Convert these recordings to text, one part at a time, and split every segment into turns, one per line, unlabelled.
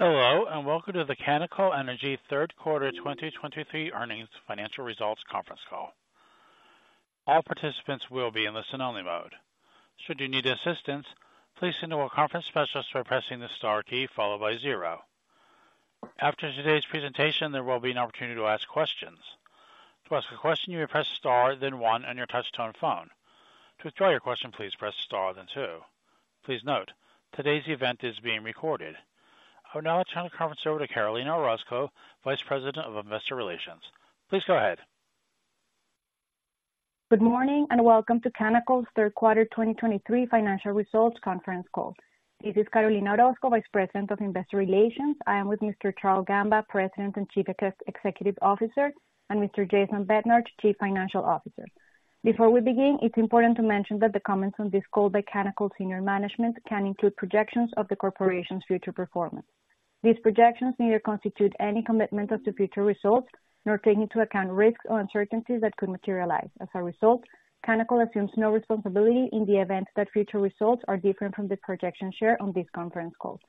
Hello, and welcome to the Canacol Energy Third Quarter 2023 Earnings Financial Results Conference Call. All participants will be in the listen-only mode. Should you need assistance, please signal a conference specialist by pressing the star key followed by zero. After today's presentation, there will be an opportunity to ask questions. To ask a question, you may press star, then one on your touchtone phone. To withdraw your question, please press star, then two. Please note, today's event is being recorded. I would now like to turn the conference over to Carolina Orozco, Vice President of Investor Relations. Please go ahead.
Good morning, and welcome to Canacol's Third Quarter 2023 Financial Results Conference Call. This is Carolina Orozco, Vice President of Investor Relations. I am with Mr. Charle Gamba, President and Chief Executive Officer, and Mr. Jason Bednar, Chief Financial Officer. Before we begin, it's important to mention that the comments on this call by Canacol's senior management can include projections of the corporation's future performance. These projections neither constitute any commitment as to future results, nor take into account risks or uncertainties that could materialize. As a result, Canacol assumes no responsibility in the event that future results are different from the projections shared on this conference call.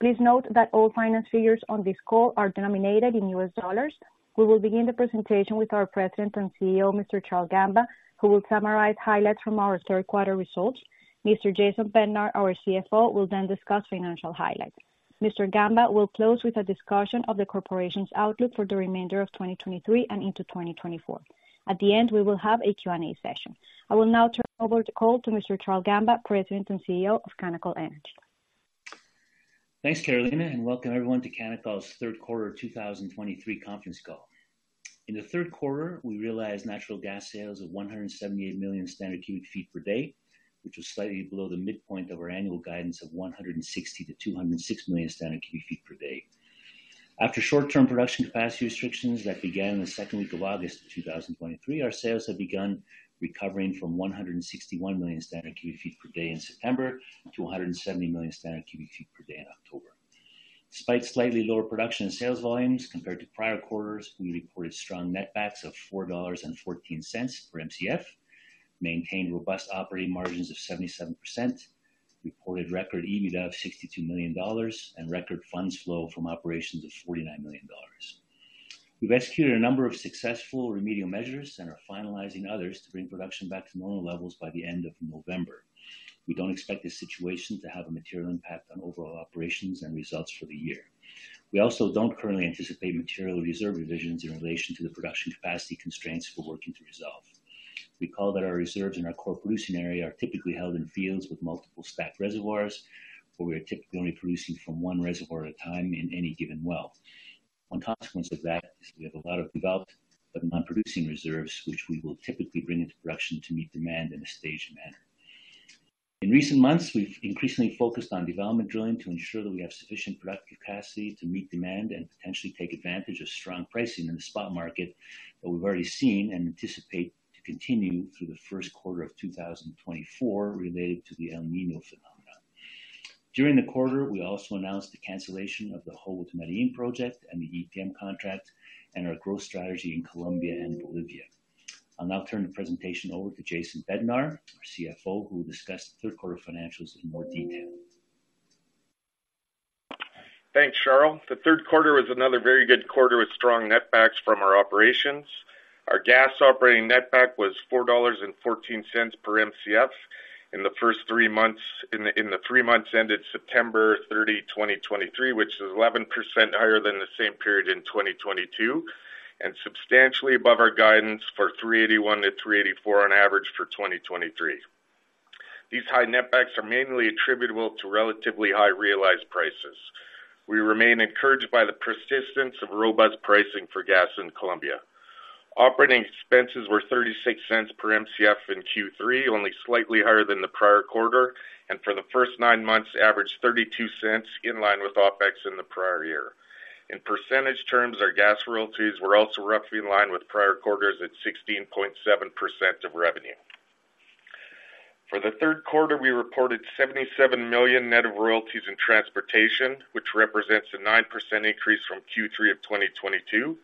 Please note that all financial figures on this call are denominated in US dollars. We will begin the presentation with our President and CEO, Mr. Charle Gamba, who will summarize highlights from our third quarter results. Mr. Jason Bednar, our CFO, will then discuss financial highlights. Mr. Gamba will close with a discussion of the corporation's outlook for the remainder of 2023 and into 2024. At the end, we will have a Q&A session. I will now turn over the call to Mr. Charle Gamba, President and CEO of Canacol Energy.
Thanks, Carolina, and welcome everyone to Canacol's Third Quarter 2023 Conference Call. In the third quarter, we realized natural gas sales of 178 million standard cubic ft per day, which was slightly below the midpoint of our annual guidance of 160-206 million standard cubic ft per day. After short-term production capacity restrictions that began in the second week of August 2023, our sales have begun recovering from 161 million standard cubic ft per day in September to 170 million standard cubic ft per day in October. Despite slightly lower production and sales volumes compared to prior quarters, we reported strong netbacks of $4.14 per Mcf, maintained robust operating margins of 77%, reported record EBITDA of $62 million, and record funds flow from operations of $49 million. We've executed a number of successful remedial measures and are finalizing others to bring production back to normal levels by the end of November. We don't expect this situation to have a material impact on overall operations and results for the year. We also don't currently anticipate material reserve revisions in relation to the production capacity constraints we're working to resolve. We call that our reserves in our core production area are typically held in fields with multiple stacked reservoirs, where we are typically only producing from one reservoir at a time in any given well. One consequence of that is we have a lot of developed but non-producing reserves, which we will typically bring into production to meet demand in a staged manner. In recent months, we've increasingly focused on development drilling to ensure that we have sufficient productive capacity to meet demand and potentially take advantage of strong pricing in the spot market that we've already seen and anticipate to continue through the first quarter of 2024 related to the El Niño phenomenon. During the quarter, we also announced the cancellation of the Jobo to Medellín project and the EPM contract and our growth strategy in Colombia and Bolivia. I'll now turn the presentation over to Jason Bednar, our CFO, who will discuss the third quarter financials in more detail.
Thanks, Charles. The third quarter was another very good quarter with strong netbacks from our operations. Our gas operating netback was $4.14 per Mcf in the three months ended September 30, 2023, which is 11% higher than the same period in 2022, and substantially above our guidance for $3.81-$3.84 on average for 2023. These high netbacks are mainly attributable to relatively high realized prices. We remain encouraged by the persistence of robust pricing for gas in Colombia. Operating expenses were $0.36 per Mcf in Q3, only slightly higher than the prior quarter, and for the first nine months, averaged $0.32 in line with OpEx in the prior year. In percentage terms, our gas royalties were also roughly in line with prior quarters at 16.7% of revenue. For the third quarter, we reported $77 million net of royalties in transportation, which represents a 9% increase from Q3 of 2022.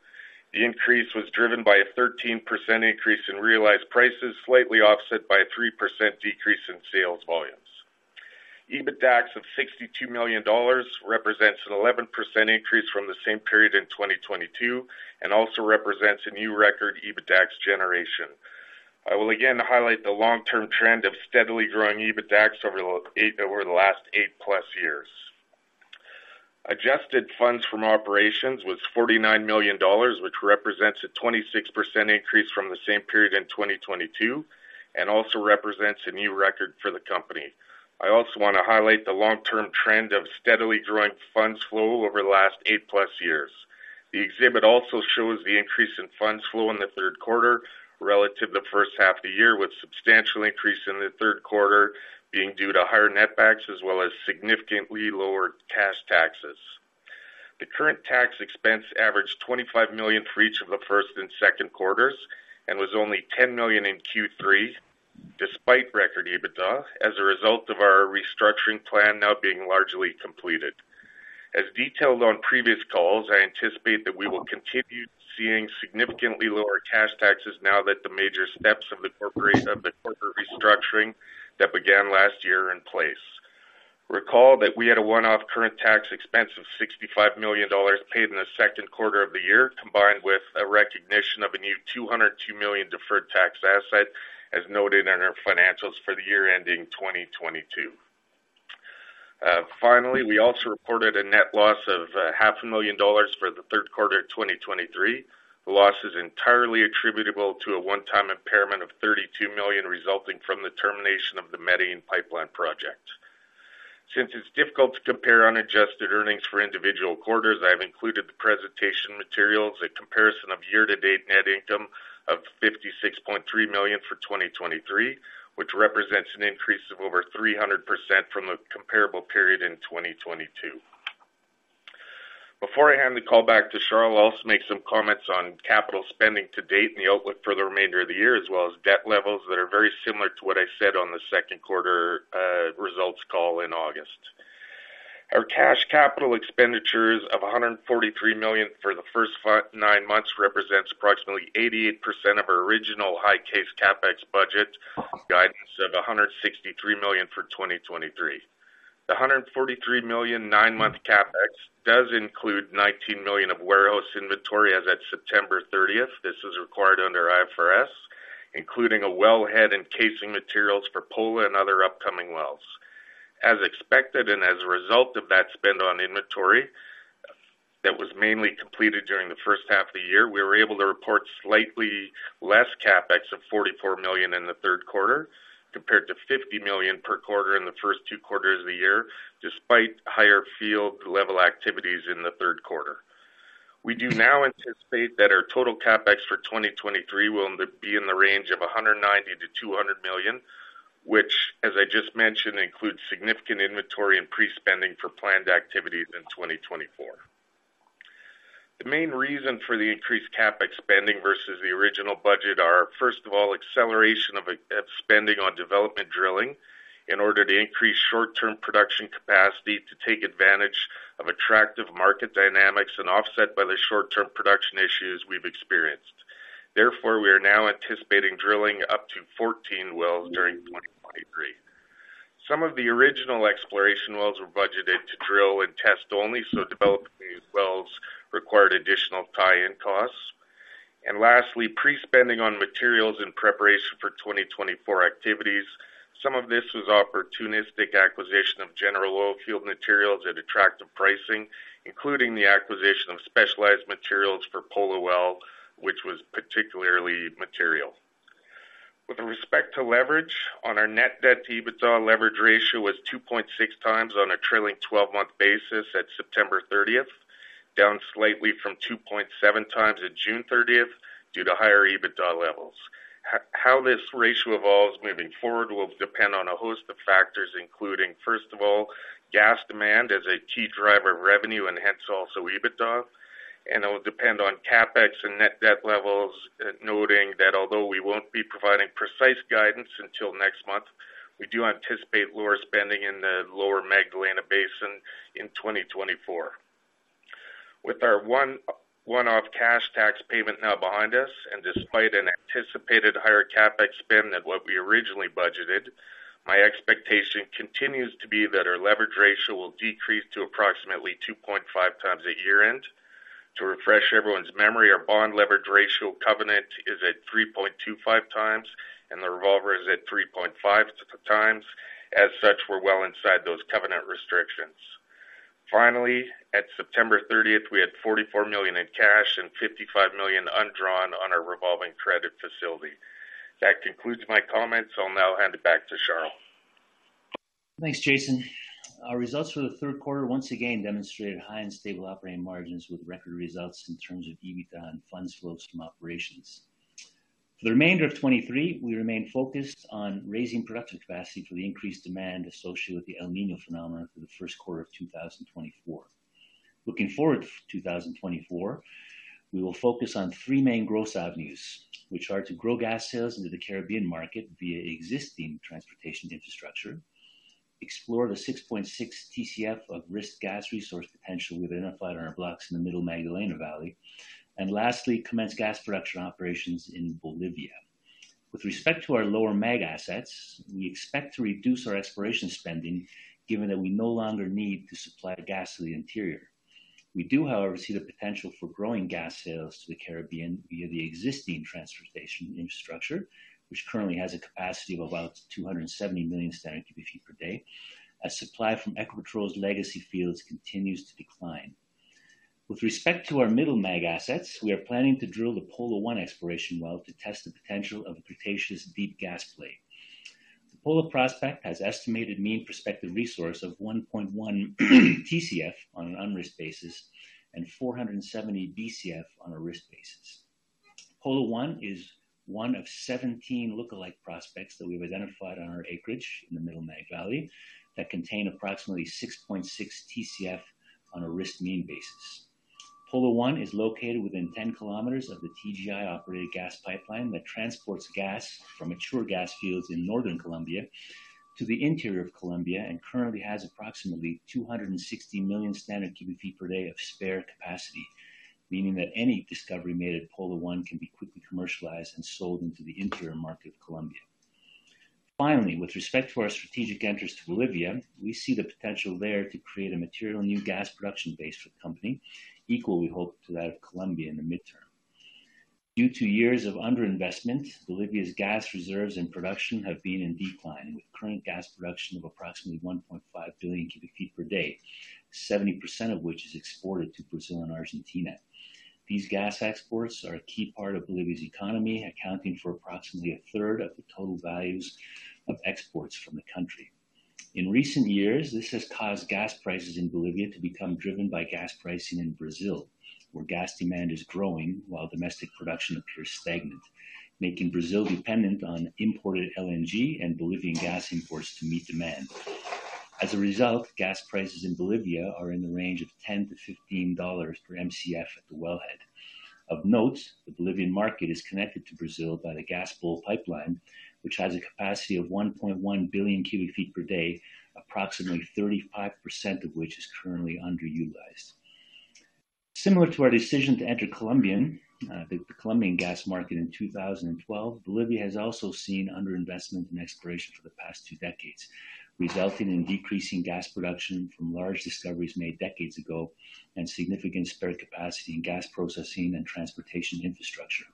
The increase was driven by a 13% increase in realized prices, slightly offset by a 3% decrease in sales volumes. EBITDAX of $62 million represents an 11% increase from the same period in 2022 and also represents a new record EBITDAX generation. I will again highlight the long-term trend of steadily growing EBITDAX over the last 8+ years. Adjusted funds from operations was $49 million, which represents a 26% increase from the same period in 2022, and also represents a new record for the company. I also want to highlight the long-term trend of steadily growing funds flow over the last 8+ years. The exhibit also shows the increase in funds flow in the third quarter relative to the first half of the year, with substantial increase in the third quarter being due to higher netbacks as well as significantly lower cash taxes. The current tax expense averaged $25 million for each of the first and second quarters and was only $10 million in Q3, despite record EBITDA, as a result of our restructuring plan now being largely completed. As detailed on previous calls, I anticipate that we will continue seeing significantly lower cash taxes now that the major steps of the corporate restructuring that began last year are in place. Recall that we had a one-off current tax expense of $65 million paid in the second quarter of the year, combined with a recognition of a new $202 million deferred tax asset, as noted in our financials for the year ending 2022. Finally, we also reported a net loss of $500,000 for the third quarter of 2023. The loss is entirely attributable to a one-time impairment of $32 million, resulting from the termination of the Medellín pipeline project. Since it's difficult to compare unadjusted earnings for individual quarters, I've included the presentation materials, a comparison of year-to-date net income of $56.3 million for 2023, which represents an increase of over 300% from the comparable period in 2022. Before I hand the call back to Charle, I'll also make some comments on capital spending to date and the outlook for the remainder of the year, as well as debt levels that are very similar to what I said on the second quarter results call in August. Our cash capital expenditures of $143 million for the first nine months represents approximately 88% of our original high case CapEx budget guidance of $163 million for 2023. The $143 million nine-month CapEx does include $19 million of warehouse inventory as at September thirtieth. This is required under IFRS, including a well head and casing materials for Pola and other upcoming wells. As expected, and as a result of that spend on inventory, that was mainly completed during the first half of the year, we were able to report slightly less CapEx of $44 million in the third quarter, compared to $50 million per quarter in the first two quarters of the year, despite higher field level activities in the third quarter. We do now anticipate that our total CapEx for 2023 will be in the range of $190 million-$200 million, which, as I just mentioned, includes significant inventory and pre-spending for planned activities in 2024. The main reason for the increased CapEx spending versus the original budget are, first of all, acceleration of spending on development drilling in order to increase short-term production capacity to take advantage of attractive market dynamics and offset by the short-term production issues we've experienced. Therefore, we are now anticipating drilling up to 14 wells during 2023. Some of the original exploration wells were budgeted to drill and test only, so developing these wells required additional tie-in costs. Lastly, pre-spending on materials in preparation for 2024 activities. Some of this was opportunistic acquisition of general oil field materials at attractive pricing, including the acquisition of specialized materials for Pola well, which was particularly material. With respect to leverage on our net debt-to-EBITDA leverage ratio was 2.6 times on a trailing twelve-month basis at September 30, down slightly from 2.7 times at June 30, due to higher EBITDA levels. How this ratio evolves moving forward will depend on a host of factors, including, first of all, gas demand as a key driver of revenue and hence also EBITDA, and it will depend on CapEx and net debt levels, noting that although we won't be providing precise guidance until next month, we do anticipate lower spending in the Lower Magdalena Basin in 2024. With our one-off cash tax payment now behind us, and despite an anticipated higher CapEx spend than what we originally budgeted, my expectation continues to be that our leverage ratio will decrease to approximately 2.5 times at year-end. To refresh everyone's memory, our bond leverage ratio covenant is at 3.25 times, and the revolver is at 3.5 times. As such, we're well inside those covenant restrictions. Finally, at September 30th, we had $44 million in cash and $55 million undrawn on our revolving credit facility. That concludes my comments. I'll now hand it back to Charle.
Thanks, Jason. Our results for the third quarter once again demonstrated high and stable operating margins with record results in terms of EBITDA and funds flows from operations. For the remainder of 2023, we remain focused on raising production capacity for the increased demand associated with the El Niño phenomenon for the first quarter of 2024. Looking forward to 2024, we will focus on three main growth avenues, which are to grow gas sales into the Caribbean market via existing transportation infrastructure, explore the 6.6 TCF of risk gas resource potential we've identified on our blocks in the Middle Magdalena Basin, and lastly, commence gas production operations in Bolivia. With respect to our Lower Mag assets, we expect to reduce our exploration spending, given that we no longer need to supply gas to the interior. We do, however, see the potential for growing gas sales to the Caribbean via the existing transportation infrastructure, which currently has a capacity of about 270 million standard cubic ft per day, as supply from Ecopetrol's legacy fields continues to decline. With respect to our Middle Mag assets, we are planning to drill the Pola 1 Exploration well to test the potential of a Cretaceous deep gas play. The Pola prospect has estimated mean prospective resource of 1.1 TCF on an unrisked basis and 470 BCF on a risked basis. Pola 1 is one of 17 lookalike prospects that we've identified on our acreage in the Middle Mag Valley that contain approximately 6.6 TCF on a risked mean basis. Pola 1 is located within 10 kilometers of the TGI-operated gas pipeline that transports gas from mature gas fields in northern Colombia to the interior of Colombia, and currently has approximately 260 million standard cubic ft per day of spare capacity, meaning that any discovery made at Pola 1 can be quickly commercialized and sold into the interior market of Colombia. Finally, with respect to our strategic entrance to Bolivia, we see the potential there to create a material new gas production base for the company, equal, we hope, to that of Colombia in the midterm. Due to years of underinvestment, Bolivia's gas reserves and production have been in decline, with current gas production of approximately 1.5 billion cubic ft per day, 70% of which is exported to Brazil and Argentina. These gas exports are a key part of Bolivia's economy, accounting for approximately a third of the total values of exports from the country. In recent years, this has caused gas prices in Bolivia to become driven by gas pricing in Brazil, where gas demand is growing while domestic production appears stagnant, making Brazil dependent on imported LNG and Bolivian gas imports to meet demand. As a result, gas prices in Bolivia are in the range of $10-$15 per Mcf at the wellhead. Of note, the Bolivian market is connected to Brazil by the GASBOL pipeline, which has a capacity of 1.1 billion cubic ft per day, approximately 35% of which is currently underutilized. Similar to our decision to enter Colombian, the Colombian gas market in 2012, Bolivia has also seen underinvestment in exploration for the past two decades, resulting in decreasing gas production from large discoveries made decades ago and significant spare capacity in gas processing and transportation infrastructure.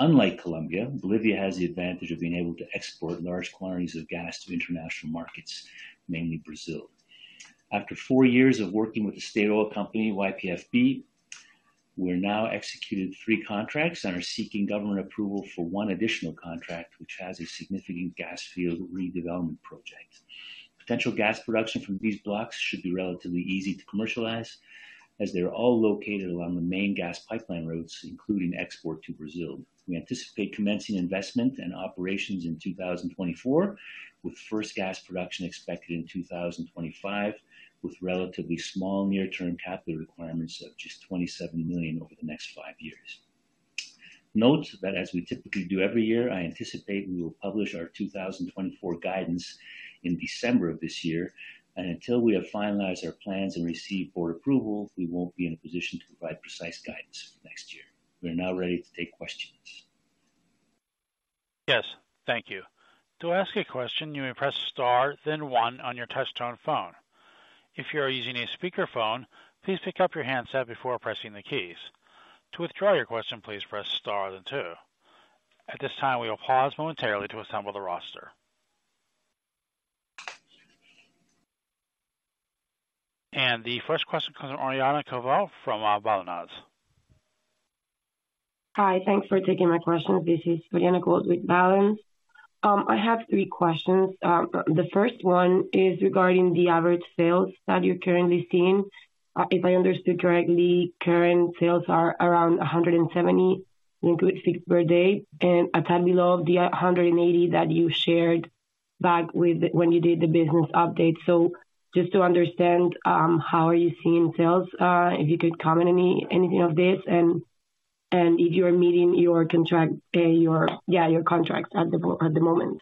Unlike Colombia, Bolivia has the advantage of being able to export large quantities of gas to international markets, mainly Brazil. After four years of working with the state oil company, YPFB, we're now executed three contracts and are seeking government approval for one additional contract, which has a significant gas field redevelopment project. Potential gas production from these blocks should be relatively easy to commercialize, as they're all located along the main gas pipeline routes, including export to Brazil. We anticipate commencing investment and operations in 2024, with first gas production expected in 2025, with relatively small near-term capital requirements of just $27 million over the next five years. Note that as we typically do every year, I anticipate we will publish our 2024 guidance in December of this year, and until we have finalized our plans and received board approval, we won't be in a position to provide precise guidance for next year. We are now ready to take questions.
Yes, thank you. To ask a question, you may press star then one on your touchtone phone. If you are using a speakerphone, please pick up your handset before pressing the keys. To withdraw your question, please press star then two. At this time, we will pause momentarily to assemble the roster. The first question comes from Oriana Covault from Balanz.
Hi, thanks for taking my question. This is Oriana Covault with Balanz. I have three questions. The first one is regarding the average sales that you're currently seeing. If I understood correctly, current sales are around 170 million cubic ft per day and a tad below the 180 that you shared back with, when you did the business update. So just to understand, how are you seeing sales? If you could comment anything of this, and if you're meeting your contract, your, Yeah, your contracts at the moment.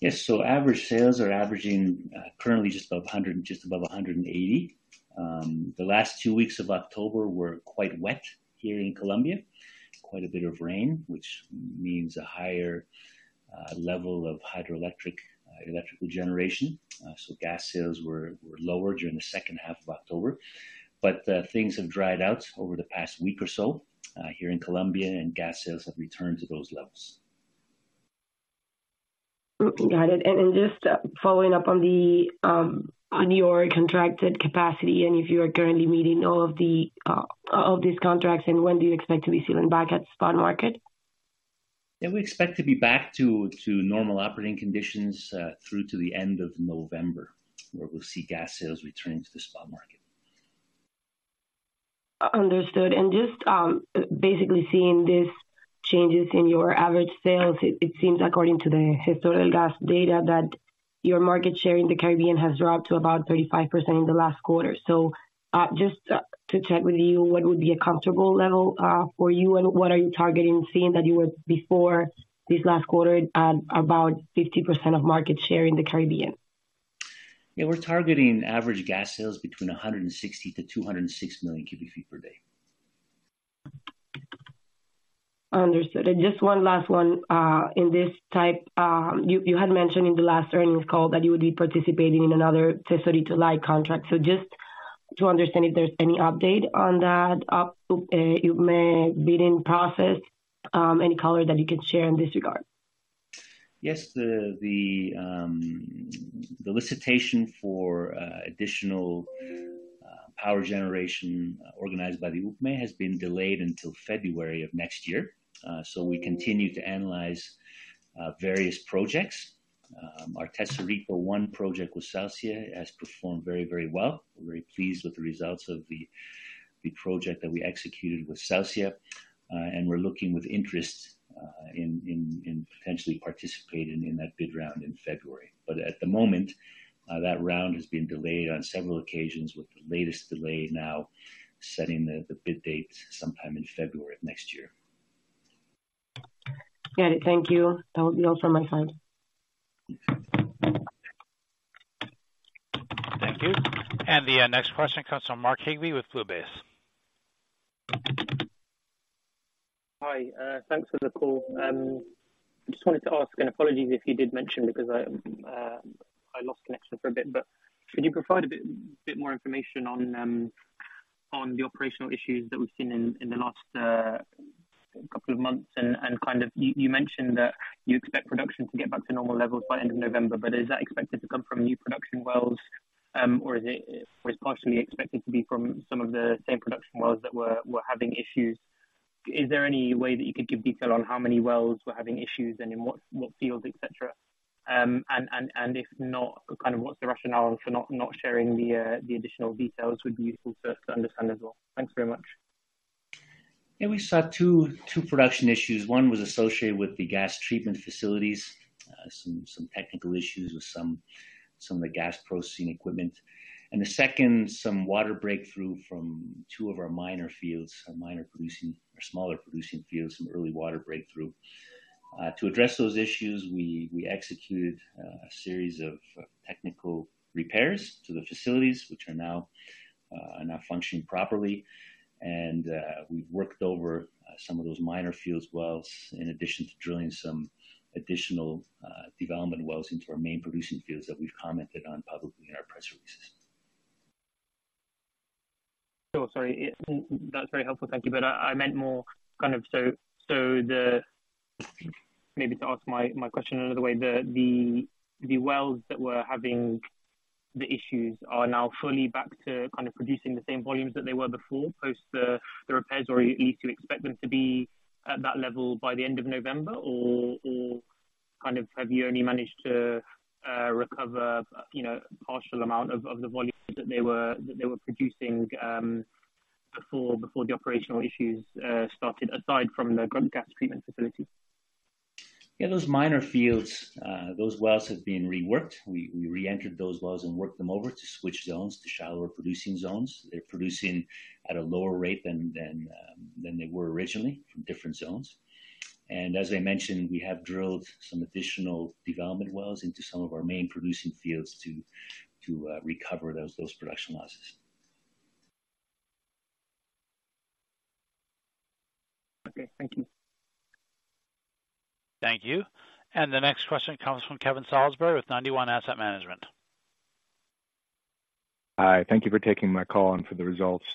Yes. So average sales are averaging currently just above 100, just above 180. The last two weeks of October were quite wet here in Colombia. Quite a bit of rain, which means a higher level of hydroelectric electrical generation. So gas sales were lower during the second half of October. But things have dried out over the past week or so here in Colombia, and gas sales have returned to those levels.
Got it. And just following up on your contracted capacity, and if you are currently meeting all of these contracts, and when do you expect to be selling back at spot market?
Yeah, we expect to be back to normal operating conditions through to the end of November, where we'll see gas sales return to the spot market.
Understood. And just basically seeing these changes in your average sales, it seems according to the historical gas data, that your market share in the Caribbean has dropped to about 35% in the last quarter. So just to check with you, what would be a comfortable level for you, and what are you targeting, seeing that you were, before this last quarter, at about 50% of market share in the Caribbean?
Yeah, we're targeting average gas sales between 160-206 million cubic ft per day.
Understood. Just one last one. In this type, you had mentioned in the last earnings call that you would be participating in another Tesorito Light contract. Just to understand if there's any update on that UPME bidding process, any color that you can share in this regard?
Yes, the solicitation for additional power generation organized by the UPME has been delayed until February of next year. So we continue to analyze various projects. Our Tesorito 1 project with Celsia has performed very, very well. We're very pleased with the results of the project that we executed with Celsia, and we're looking with interest in potentially participating in that bid round in February. But at the moment, that round has been delayed on several occasions, with the latest delay now setting the bid date sometime in February of next year.
Got it. Thank you. That will be all from my side.
The next question comes from Mark Higby with BlueBay.
Hi, thanks for the call. Just wanted to ask, and apologies if you did mention because I lost connection for a bit, but could you provide a bit more information on the operational issues that we've seen in the last couple of months? And kind of you mentioned that you expect production to get back to normal levels by end of November, but is that expected to come from new production wells, or is it partially expected to be from some of the same production wells that were having issues? Is there any way that you could give detail on how many wells were having issues and in what fields, et cetera? If not, kind of what's the rationale for not sharing the additional details would be useful for us to understand as well. Thanks very much.
Yeah, we saw two, two production issues. One was associated with the gas treatment facilities, some technical issues with some of the gas processing equipment. And the second, some water breakthrough from two of our minor fields, our minor producing or smaller producing fields, some early water breakthrough. To address those issues, we executed a series of technical repairs to the facilities, which are now functioning properly. And, we've worked over some of those minor fields wells, in addition to drilling some additional development wells into our main producing fields that we've commented on publicly in our press releases.
Oh, sorry, that's very helpful. Thank you. But I meant more kind of so the, Maybe to ask my question another way, the wells that were having the issues are now fully back to kind of producing the same volumes that they were before, post the repairs, or are you to expect them to be at that level by the end of November? Or kind of have you only managed to recover, you know, a partial amount of the volumes that they were producing before the operational issues started, aside from the Jobo gas treatment facility?
Yeah, those minor fields, those wells have been reworked. We reentered those wells and worked them over to switch zones to shallower producing zones. They're producing at a lower rate than they were originally from different zones. And as I mentioned, we have drilled some additional development wells into some of our main producing fields to recover those production losses.
Okay. Thank you.
Thank you. The next question comes from Kevan Salisbury with Ninety One Asset Management.
Hi, thank you for taking my call and for the results.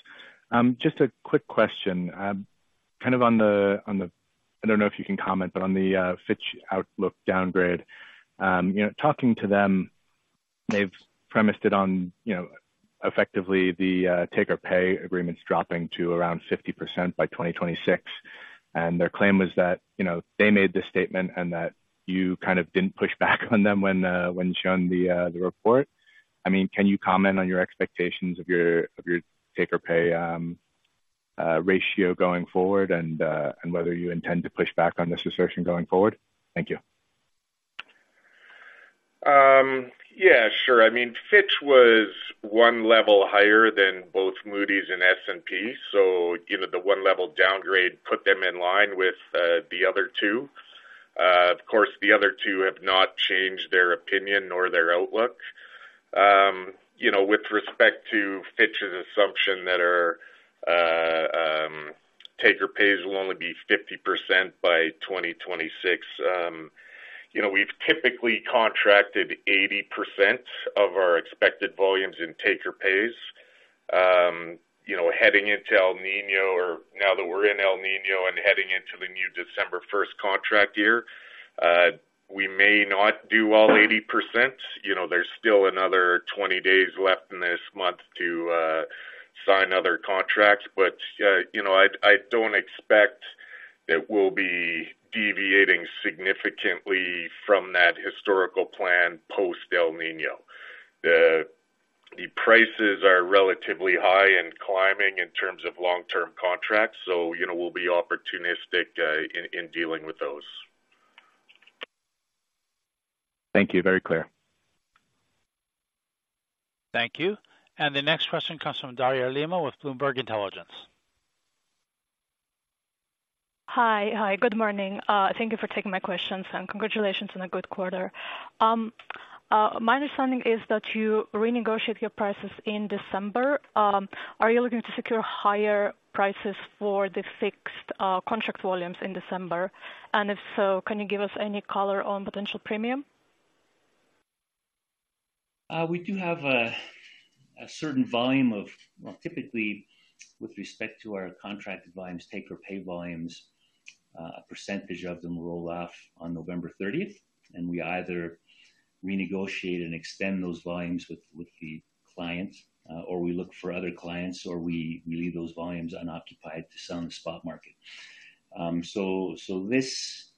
Just a quick question, kind of on the. I don't know if you can comment, but on the Fitch outlook downgrade. You know, talking to them, they've premised it on, you know, effectively the take or pay agreements dropping to around 50% by 2026. And their claim was that, you know, they made this statement and that you kind of didn't push back on them when shown the report. I mean, can you comment on your expectations of your take or pay ratio going forward and whether you intend to push back on this assertion going forward? Thank you.
Yeah, sure. I mean, Fitch was one level higher than both Moody's and S&P, so, you know, the one-level downgrade put them in line with the other two. Of course, the other two have not changed their opinion nor their outlook. You know, with respect to Fitch's assumption that our take or pays will only be 50% by 2026, you know, we've typically contracted 80% of our expected volumes in take or pays. You know, heading into El Niño, or now that we're in El Niño and heading into the new December first contract year, we may not do all 80%. You know, there's still another 20 days left in this month to sign other contracts. But, you know, I don't expect it will be deviating significantly from that historical plan post El Niño. The prices are relatively high and climbing in terms of long-term contracts, so, you know, we'll be opportunistic in dealing with those.
Thank you. Very clear.
Thank you. The next question comes from Daria Lima with Bloomberg Intelligence.
Hi. Hi, good morning. Thank you for taking my questions, and congratulations on a good quarter. My understanding is that you renegotiate your prices in December. Are you looking to secure higher prices for the fixed contract volumes in December? And if so, can you give us any color on potential premium?
We do have a certain volume of, Well, typically, with respect to our contracted volumes, take-or-pay volumes, a percentage of them roll off on November thirtieth, and we either renegotiate and extend those volumes with the clients, or we look for other clients, or we leave those volumes unoccupied to sell on the spot market. So, this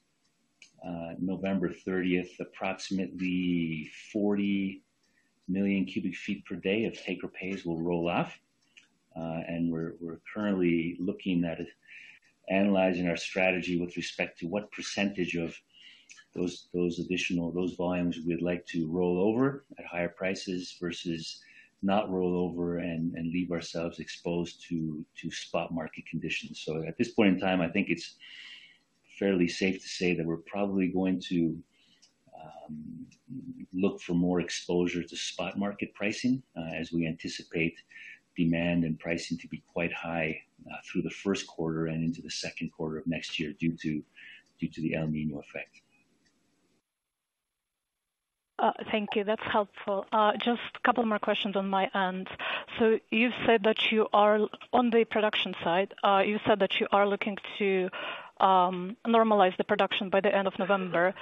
November thirtieth, approximately 40 million cubic ft per day of take-or-pays will roll off. And we're currently looking at it, analyzing our strategy with respect to what percentage of those additional volumes we'd like to roll over at higher prices versus not roll over and leave ourselves exposed to spot market conditions. So at this point in time, I think it's fairly safe to say that we're probably going to Look for more exposure to spot market pricing, as we anticipate demand and pricing to be quite high through the first quarter and into the second quarter of next year, due to the El Niño effect.
Thank you. That's helpful. Just a couple more questions on my end. So you've said that you are on the production side, you said that you are looking to normalize the production by the end of November.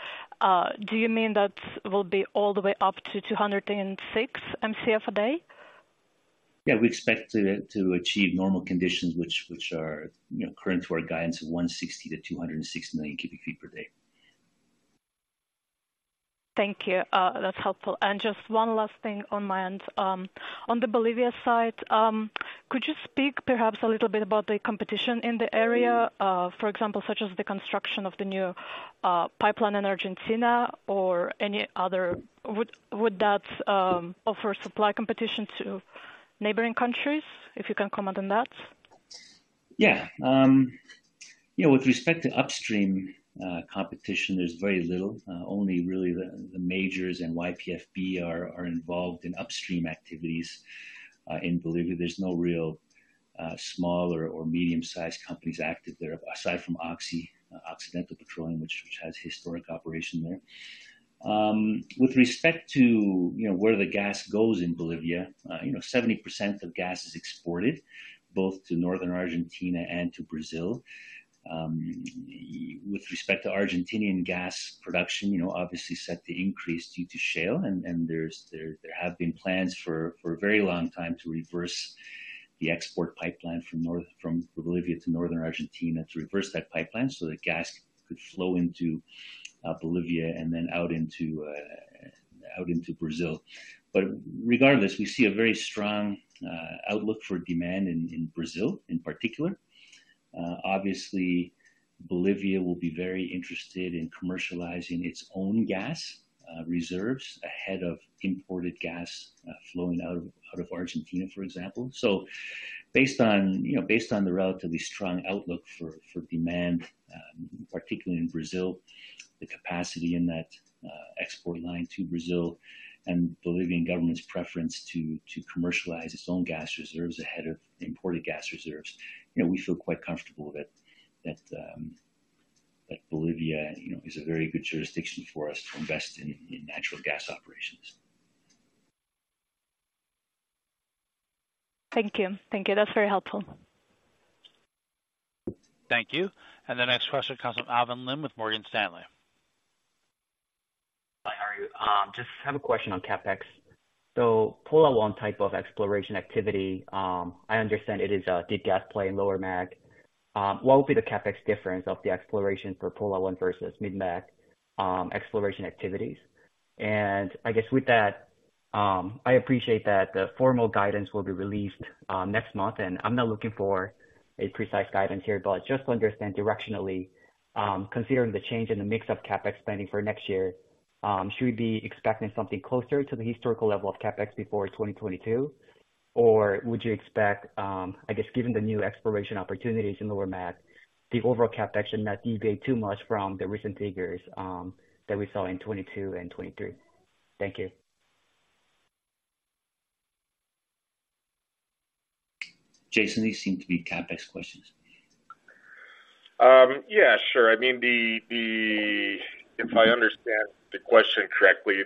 Do you mean that will be all the way up to 206 Mcf a day?
Yeah, we expect to achieve normal conditions, which are, you know, current for our guidance of 160-260 million cubic ft per day.
Thank you. That's helpful. And just one last thing on my end. On the Bolivia side, could you speak perhaps a little bit about the competition in the area? For example, such as the construction of the new pipeline in Argentina or any other, would that offer supply competition to neighboring countries? If you can comment on that.
Yeah. You know, with respect to upstream competition, there's very little, only really the majors and YPFB are involved in upstream activities in Bolivia. There's no real small or medium-sized companies active there, aside from Oxy, Occidental Petroleum, which has historic operation there. You know, with respect to where the gas goes in Bolivia, you know, 70% of gas is exported both to northern Argentina and to Brazil. With respect to Argentinian gas production, you know, obviously set to increase due to shale. And there have been plans for a very long time to reverse the export pipeline from Bolivia to northern Argentina, to reverse that pipeline so that gas could flow into Bolivia and then out into Brazil. But regardless, we see a very strong outlook for demand in Brazil in particular. Obviously, Bolivia will be very interested in commercializing its own gas reserves ahead of imported gas flowing out of Argentina, for example. So based on, you know, based on the relatively strong outlook for demand, particularly in Brazil, the capacity in that export line to Brazil, and Bolivian government's preference to commercialize its own gas reserves ahead of imported gas reserves, you know, we feel quite comfortable that Bolivia, you know, is a very good jurisdiction for us to invest in natural gas operations.
Thank you. Thank you. That's very helpful.
Thank you. The next question comes from Alvin Lim with Morgan Stanley.
Hi, how are you? Just have a question on CapEx. So Pola, one type of exploration activity, I understand it is a deep gas play in Lower Mag. What would be the CapEx difference of the exploration for Pola versus Mid-Mag, exploration activities? And I guess with that, I appreciate that the formal guidance will be released, next month, and I'm not looking for a precise guidance here, but just to understand directionally, considering the change in the mix of CapEx spending for next year, should we be expecting something closer to the historical level of CapEx before 2022? Or would you expect, I guess, given the new exploration opportunities in Lower Mag, the overall CapEx should not deviate too much from the recent figures, that we saw in 2022 and 2023. Thank you.
Jason, these seem to be CapEx questions.
Yeah, sure. I mean, if I understand the question correctly,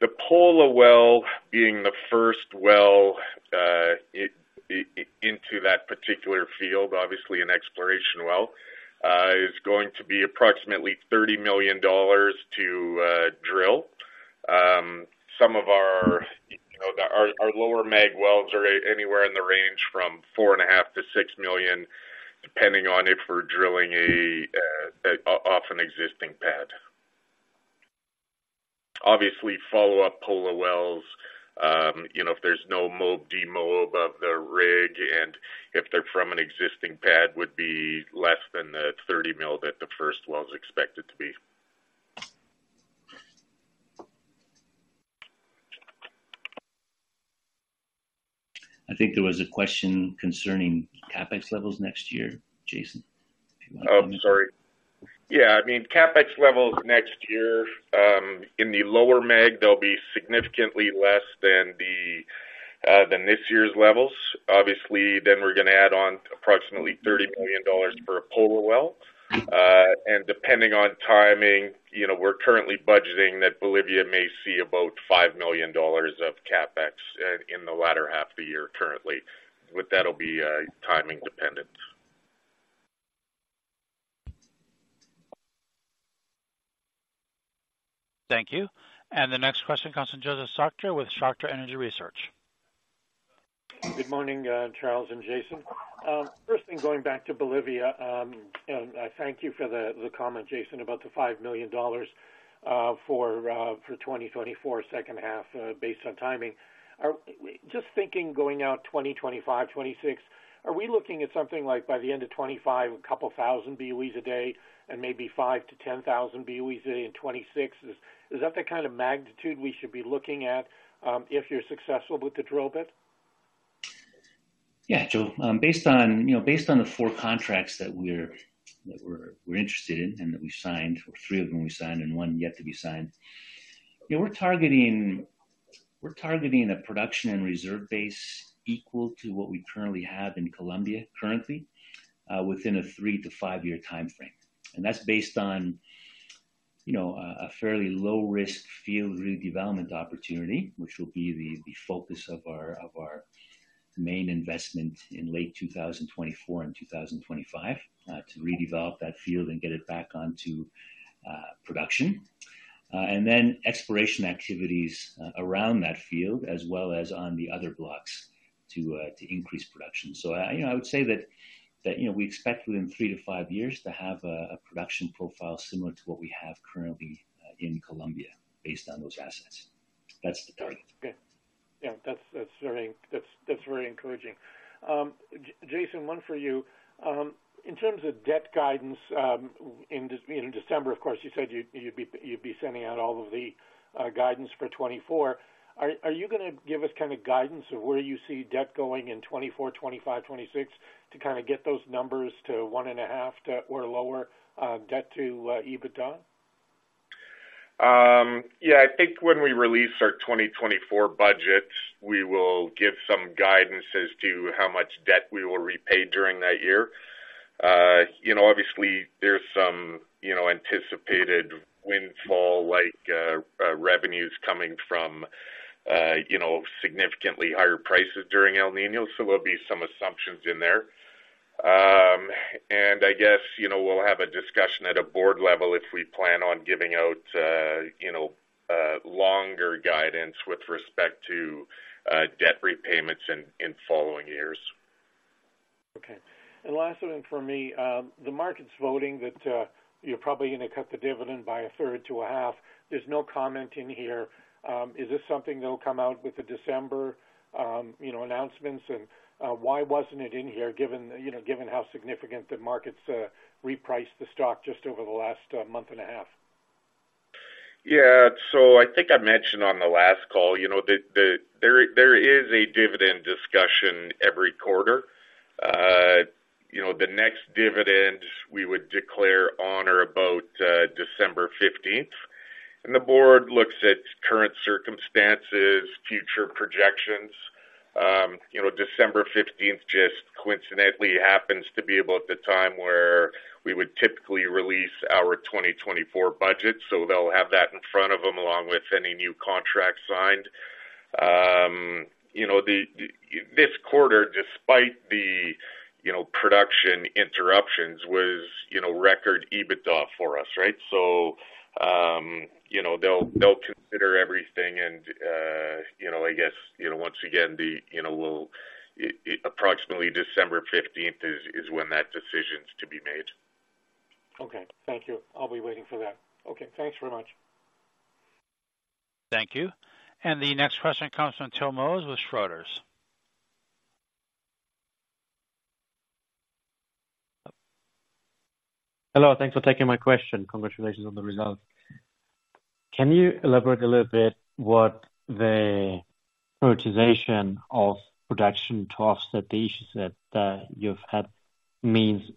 the Pola well, being the first well into that particular field, obviously an exploration well, is going to be approximately $30 million to drill. Some of our, you know, our Lower Mag wells are anywhere in the range from $4.5 million-$6 million, depending on if we're drilling off an existing pad. Obviously, follow-up Pola wells, you know, if there's no mob, demo above the rig, and if they're from an existing pad, would be less than the $30 million that the first well is expected to be.
I think there was a question concerning CapEx levels next year. Jason, do you want to comment?
Oh, sorry. Yeah, I mean, CapEx levels next year in the Lower Mag, they'll be significantly less than this year's levels. Obviously, then we're going to add on approximately $30 million for a Pola well. And depending on timing, you know, we're currently budgeting that Bolivia may see about $5 million of CapEx in the latter half of the year currently. But that'll be timing dependent.
Thank you. The next question comes from Josef Schachter with Schachter Energy Research.
Good morning, Charle and Jason. First thing, going back to Bolivia, and I thank you for the comment, Jason, about the $5 million for 2024 second half, based on timing. Just thinking, going out 2025, 2026, are we looking at something like by the end of 2025, a couple thousand BOEs a day and maybe 5,000-10,000 BOEs a day in 2026? Is that the kind of magnitude we should be looking at, if you're successful with the drill bit?
Yeah, Joe, based on, you know, based on the 4 contracts that we're interested in and that we signed, or 3 of them we signed and 1 yet to be signed, yeah, we're targeting a production and reserve base equal to what we currently have in Colombia currently, within a 3-5-year timeframe. And that's based on, you know, a fairly low risk field redevelopment opportunity, which will be the focus of our main investment in late 2024 and 2025, to redevelop that field and get it back onto production. And then exploration activities around that field, as well as on the other blocks to increase production. So I, you know, I would say that you know, we expect within 3-5 years to have a production profile similar to what we have currently in Colombia based on those assets. That's the target.
Okay. Yeah, that's very encouraging. Jason, one for you. In terms of debt guidance, in December, of course, you said you'd be sending out all of the guidance for 2024. Are you gonna give us kind of guidance of where you see debt going in 2024, 2025, 2026, to kind of get those numbers to 1.5 or lower, debt to EBITDA?
Yeah, I think when we release our 2024 budget, we will give some guidance as to how much debt we will repay during that year. You know, obviously there's some, you know, anticipated windfall, like, revenues coming from, you know, significantly higher prices during El Niño, so there'll be some assumptions in there. And I guess, you know, we'll have a discussion at a board level if we plan on giving out, you know, longer guidance with respect to, debt repayments in following years.
Okay. And last one for me. The market's voting that you're probably gonna cut the dividend by a third to a half. There's no comment in here. Is this something that'll come out with the December, you know, announcements? And why wasn't it in here, given, you know, given how significant the markets reprice the stock just over the last month and a half?
Yeah. So I think I mentioned on the last call, you know, there is a dividend discussion every quarter. You know, the next dividend we would declare on or about December 15th, and the board looks at current circumstances, future projections. You know, December fifteenth just coincidentally happens to be about the time where we would typically release our 2024 budget, so they'll have that in front of them, along with any new contracts signed. You know, this quarter, despite the production interruptions, was, you know, record EBITDA for us, right? So, you know, they'll consider everything and, you know, I guess, you know, once again, you know, approximately December fifteenth is when that decision's to be made.
Okay, thank you. I'll be waiting for that. Okay, thanks very much.
Thank you. The next question comes from Tim Moroz with Schroders.
Hello, thanks for taking my question. Congratulations on the results. Can you elaborate a little bit what the prioritization of production tasks that the issues you've had means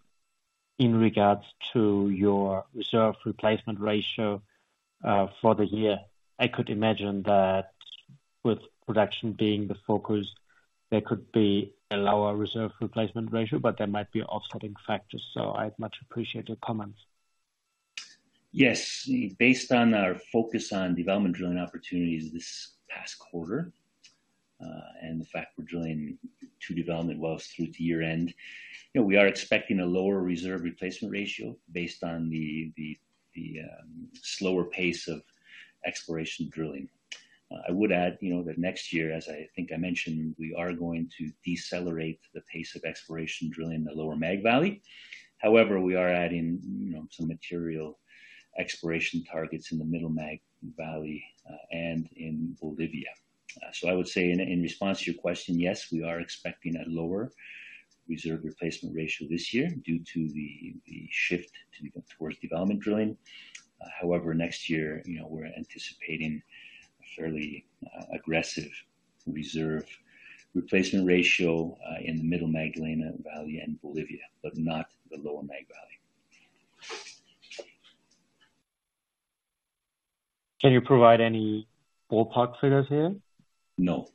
in regards to your reserve replacement ratio for the year? I could imagine that with production being the focus, there could be a lower reserve replacement ratio, but there might be offsetting factors, so I'd much appreciate your comments.
Yes. Based on our focus on development drilling opportunities this past quarter, and the fact we're drilling two development wells through to year-end, you know, we are expecting a lower reserve replacement ratio based on the slower pace of exploration drilling. I would add, you know, that next year, as I think I mentioned, we are going to decelerate the pace of exploration drilling in the Lower Mag Valley. However, we are adding, you know, some material exploration targets in the Middle Mag Valley, and in Bolivia. So I would say in response to your question, yes, we are expecting a lower reserve replacement ratio this year due to the shift towards development drilling. However, next year, you know, we're anticipating a fairly aggressive reserve replacement ratio in the Middle Magdalena Basin and Bolivia, but not the Lower Mag Basin.
Can you provide any ballpark figures here?
No.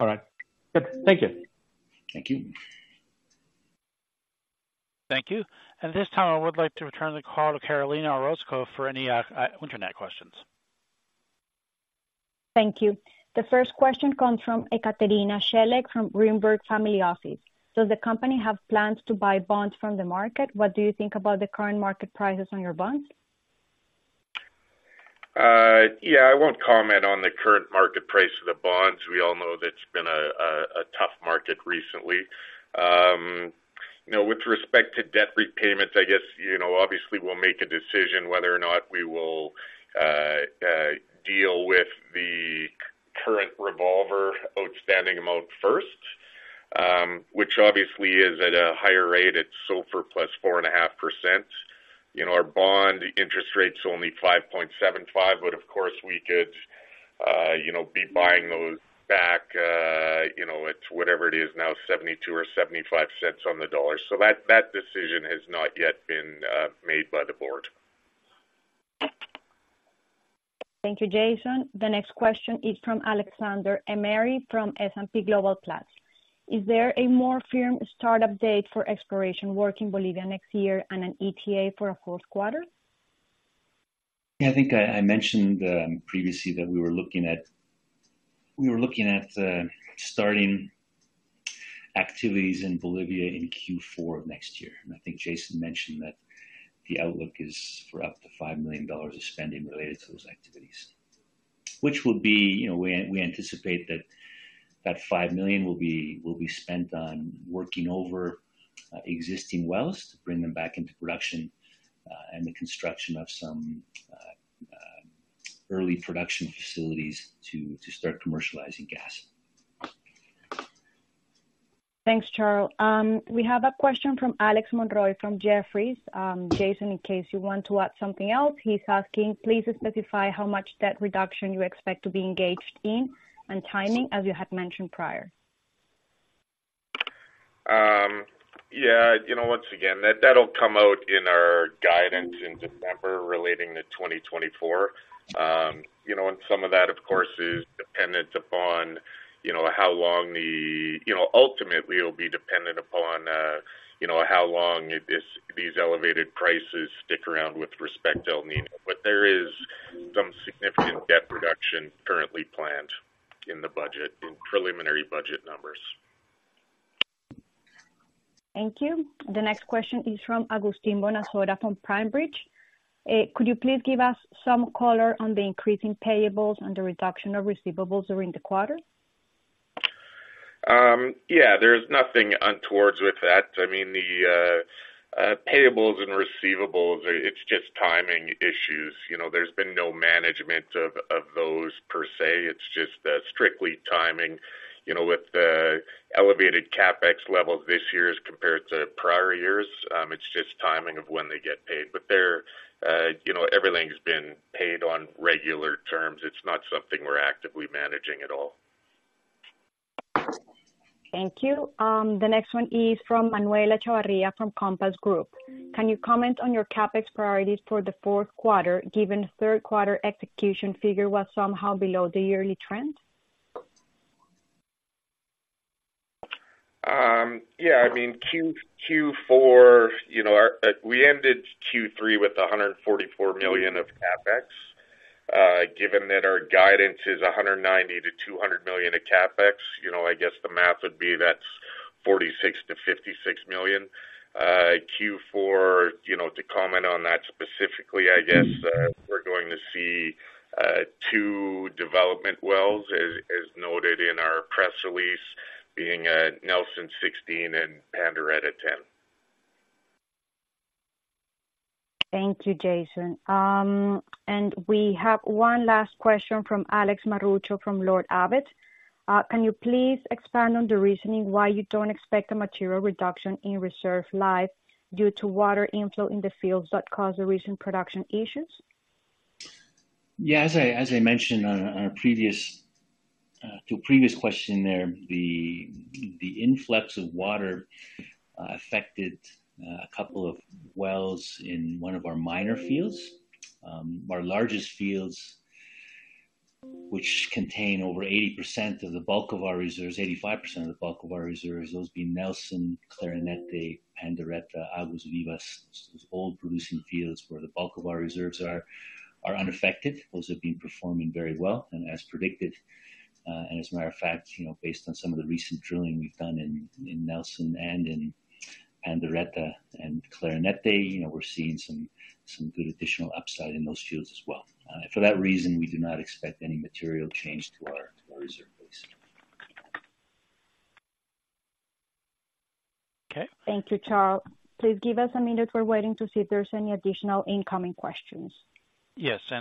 All right. Good. Thank you.
Thank you.
Thank you. At this time, I would like to return the call to Carolina Orozco for any internet questions.
Thank you. The first question comes from Ekaterina Shelek, from Greenberg Family Office. Does the company have plans to buy bonds from the market? What do you think about the current market prices on your bonds?
Yeah, I won't comment on the current market price of the bonds. We all know that it's been a tough market recently. You know, with respect to debt repayments, I guess, you know, obviously we'll make a decision whether or not we will deal with the current revolver outstanding amount first. Which obviously is at a higher rate at SOFR plus 4.5%. You know, our bond interest rate's only 5.75%, but of course, we could, you know, be buying those back, you know, it's whatever it is now, $0.72 or $0.75 on the dollar. So that decision has not yet been made by the board.
Thank you, Jason. The next question is from Alexander Emery from S&P Global Platts. Is there a more firm start-up date for exploration work in Bolivia next year and an ETA for a fourth quarter?
Yeah, I think I mentioned previously that we were looking at starting activities in Bolivia in Q4 of next year. And I think Jason mentioned that the outlook is for up to $5 million of spending related to those activities. Which will be, you know, we anticipate that that $5 million will be spent on working over existing wells to bring them back into production, and the construction of some early production facilities to start commercializing gas.
Thanks, Charle. We have a question from Alex Monroy from Jefferies. Jason, in case you want to add something else, he's asking: Please specify how much debt reduction you expect to be engaged in and timing, as you had mentioned prior.
Yeah, you know, once again, that, that'll come out in our guidance in December relating to 2024. You know, and some of that, of course, is dependent upon, you know, how long, You know, ultimately it will be dependent upon, you know, how long it is, these elevated prices stick around with respect to El Niño. But there is some significant debt reduction currently planned in the budget, in preliminary budget numbers.
Thank you. The next question is from Agustin Bonazola from PineBridge. Could you please give us some color on the increasing payables and the reduction of receivables during the quarter?
Yeah, there's nothing untoward with that. I mean, the payables and receivables, it's just timing issues, you know, there's been no management of those per se. It's just strictly timing. You know, with the elevated CapEx levels this year as compared to prior years, it's just timing of when they get paid. But they're, you know, everything's been paid on regular terms. It's not something we're actively managing at all.
Thank you. The next one is from Manuel Echevarria, from Compass Group. Can you comment on your CapEx priorities for the fourth quarter, given third quarter execution figure was somehow below the yearly trend?
Yeah, I mean, Q4, you know, our, we ended Q3 with $144 million of CapEx. Given that our guidance is $190 million-$200 million of CapEx, you know, I guess the math would be that's $46 million-$56 million. Q4, you know, to comment on that specifically, I guess, we're going to see 2 development wells, as noted in our press release, being Nelson 16 and Pandereta 10.
Thank you, Jason. We have one last question from Alex Marucho, from Lord Abbett. Can you please expand on the reasoning why you don't expect a material reduction in reserve life due to water inflow in the fields that caused the recent production issues?
Yeah, as I, as I mentioned on, on a previous, to a previous question there, the, the influx of water, affected, a couple of wells in one of our minor fields. Our largest fields, which contain over 80% of the bulk of our reserves, 85% of the bulk of our reserves, those being Nelson, Clarinete, Pandereta, Aguas Vivas, those all producing fields where the bulk of our reserves are, are unaffected. Those have been performing very well, and as predicted, and as a matter of fact, you know, based on some of the recent drilling we've done in, in Nelson and in Pandereta and Clarinete, you know, we're seeing some, some good additional upside in those fields as well. For that reason, we do not expect any material change to our, to our reserve base. Okay.
Thank you, Charle. Please give us a minute. We're waiting to see if there's any additional incoming questions.
Yes.